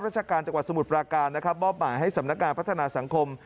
ราชการจังหวัดสมุทรปราการนะครับมอบหมายให้สำนักงานพัฒนาสังคม